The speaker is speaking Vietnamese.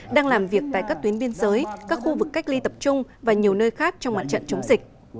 đang làm việc tại các tuyến biên giới các khu vực cách ly tập trung và nhiều nơi khác trong mạng trận chống dịch